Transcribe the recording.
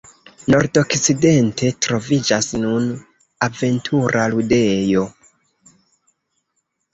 Nordokcidente troviĝas nun "aventura ludejo".